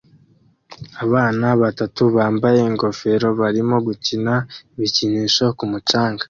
Abana batatu bambaye ingofero barimo gukina ibikinisho ku mucanga